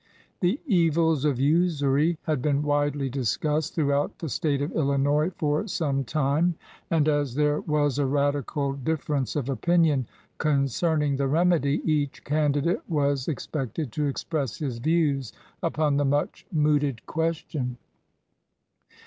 The evils of usury had been widely discussed throughout the State of Illinois for some time; and as there was a radical difference of opinion concerning the remedy, each candidate was ex pected to express his views upon the much mooted question.